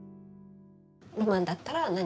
ロマンだったら何。